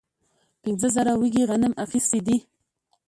پنځه زره وږي غنم اخیستي دي.